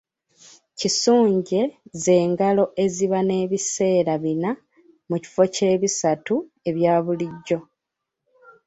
Kisunje ze ngalo eziba n’ebiseera bina mu kifo ky’ebisatu ebya bulijjo.